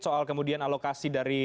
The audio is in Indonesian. soal kemudian alokasi dari